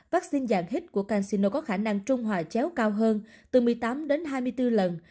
vaccine dạng hít của canxino có khả năng trung hòa chéo cao hơn từ một mươi tám đến hai mươi bốn lần